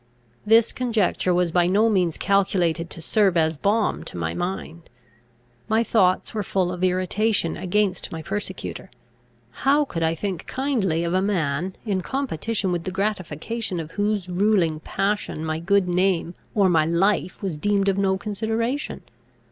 This conjecture was by no means calculated to serve as balm to my mind. My thoughts were full of irritation against my persecutor. How could I think kindly of a man, in competition with the gratification of whose ruling passion my good name or my life was deemed of no consideration?